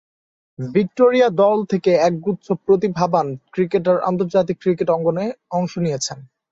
Victoria দল থেকে একগুচ্ছ প্রতিভাবান ক্রিকেটার আন্তর্জাতিক ক্রিকেট অঙ্গনে অংশ নিয়েছেন।